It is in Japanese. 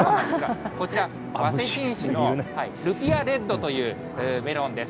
こちら、早生品種のルピアレッドというメロンです。